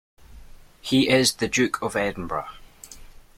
He is the Duke of Edinburgh.